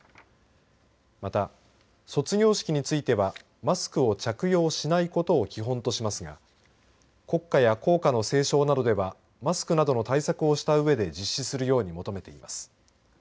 また、卒業式についてはマスクを着用しないことを基本としますが国歌や校歌の斉唱などではマスクなどの対策をしたうえで実施するように求めています。